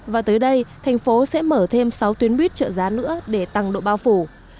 và tới đây thành phố sẽ mở thêm sáu tuyến buýt trợ giá nữa để tăng độ bao phủ